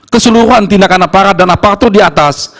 keseluruhan tindakan aparat dan aparatur di atas